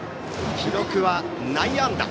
記録は内野安打。